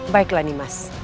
baiklah nyi mas